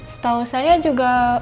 setahu saya juga